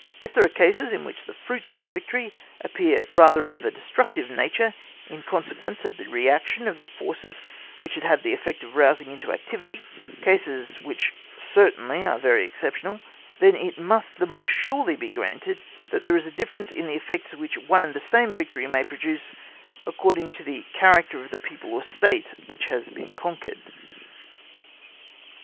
If there are cases in which the fruits of a victory appear rather of a destructive nature in consequence of the reaction of the forces which it had the effect of rousing into activity—cases which certainly are very exceptional—then it must the more surely be granted, that there is a difference in the effects which one and the same victory may produce according to the character of the people or state, which has been conquered.